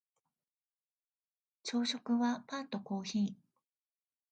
朝食はパンとコーヒー